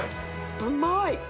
うまい！